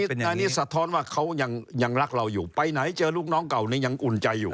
แต่อันนี้สะท้อนว่าเขายังรักเราอยู่ไปไหนเจอลูกน้องเก่านี้ยังอุ่นใจอยู่